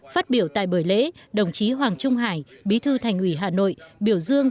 phát biểu tại buổi lễ đồng chí hoàng trung hải bí thư thành ủy hà nội biểu dương